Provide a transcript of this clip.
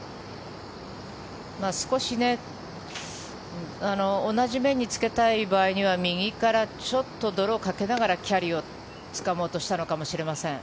少し同じ面につけたい場合は右からちょっと泥をかけながらキャリーをつかもうとしたのかもしれません。